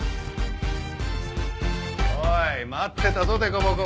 おい待ってたぞデコボコ。